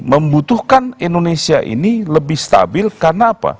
membutuhkan indonesia ini lebih stabil karena apa